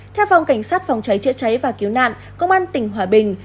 theo phòng cảnh sát phòng cháy chữa cháy và cứu nạn công an tỉnh hòa bình